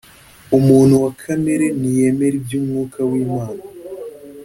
umuntu wa kamere ntiyemera iby'Umwuka w'Imana